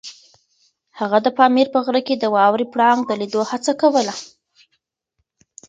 هغه د پامیر په غره کې د واورې پړانګ د لیدو هڅه کوله.